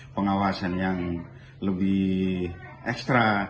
pengawasan yang lebih ekstra